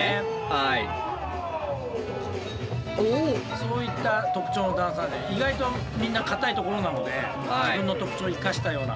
そういった特徴のダンサーで意外とみんな硬いところなので自分の特徴を生かしたような。